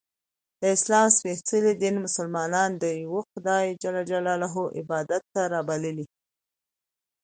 د اسلام څپېڅلي دین ملسلمانان د یوه خدایﷻ عبادت ته رابللي